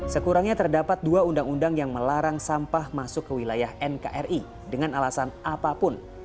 sekurangnya terdapat dua undang undang yang melarang sampah masuk ke wilayah nkri dengan alasan apapun